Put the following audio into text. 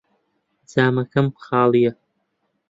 جامەکەم خاڵییە.